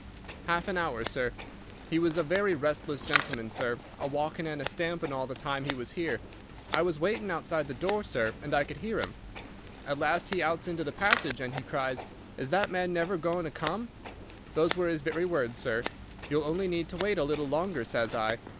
"Half an hour, sir. He was a very restless gentleman, sir, a walkin' and a stampin' all the time he was here. I was waitin' outside the door, sir, and I could hear him. At last he outs into the passage, and he cries, 'Is that man never goin' to come?' Those were his very words, sir. 'You'll only need to wait a little longer,' says I.